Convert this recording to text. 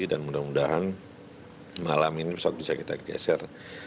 dan mudah mudahan malam ini pesawat bisa kita geser